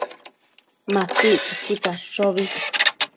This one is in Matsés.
MapictsËquid tsadshobi